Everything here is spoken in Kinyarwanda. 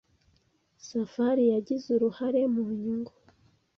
Safari yagize uruhare mu nyungu.